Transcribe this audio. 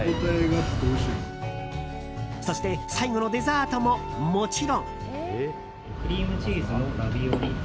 そして、最後のデザートももちろん。